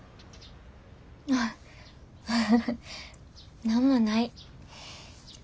あフフフ何もない。